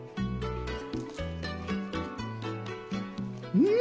うん！